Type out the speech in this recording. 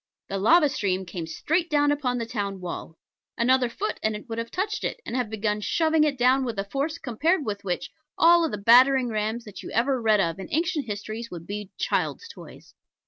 The lava stream came straight down upon the town wall. Another foot, and it would have touched it, and have begun shoving it down with a force compared with which all the battering rams that you ever read of in ancient histories would be child's toys.